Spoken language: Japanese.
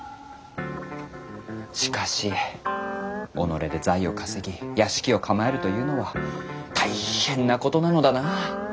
しかし己で財を稼ぎ屋敷を構えるというのは大変なことなのだな。